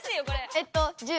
えっと１０。